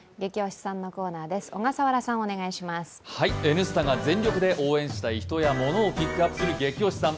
「Ｎスタ」が全力で応援したい人やモノをピックアップする「ゲキ推しさん」。